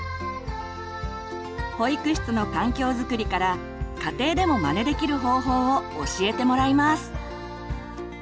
保育室の環境づくりから家庭でもまねできる方法を教えてもらいます。